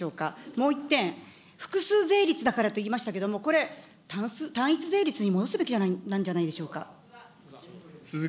もう１点、複数税率だからといいましたけれども、これ、単一税率に戻すべきなんじゃないでしょうか。